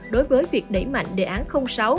đối với việc đẩy mạnh đề án sáu